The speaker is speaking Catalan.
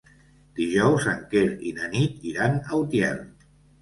Dijous en Quer i na Nit iran a Utiel.